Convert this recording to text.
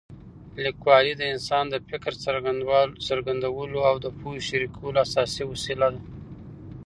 لیکوالي د انسان د فکر څرګندولو او د پوهې شریکولو اساسي وسیله ده.